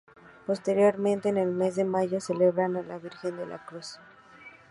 Posteriormente, en el mes de mayo celebran a la Virgen de la Luz.